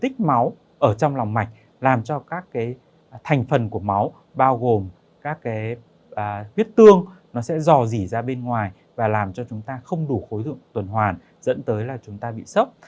tích máu ở trong lòng mạch làm cho các cái thành phần của máu bao gồm các huyết tương nó sẽ dò dỉ ra bên ngoài và làm cho chúng ta không đủ khối lượng tuần hoàn dẫn tới là chúng ta bị sốc